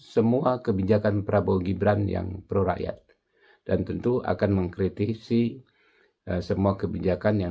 semua kebijakan prabowo gibran yang pro rakyat dan tentu akan mengkritisi semua kebijakan yang